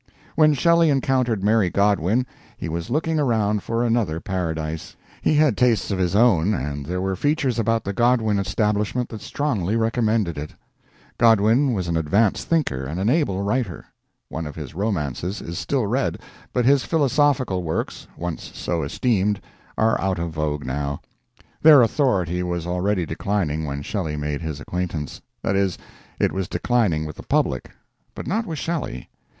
When Shelley encountered Mary Godwin he was looking around for another paradise. He had tastes of his own, and there were features about the Godwin establishment that strongly recommended it. Godwin was an advanced thinker and an able writer. One of his romances is still read, but his philosophical works, once so esteemed, are out of vogue now; their authority was already declining when Shelley made his acquaintance that is, it was declining with the public, but not with Shelley.